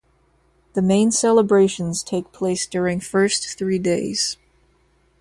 The main celebrations take place during first three days.